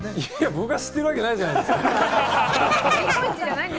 僕が知ってるわけないじゃないですか！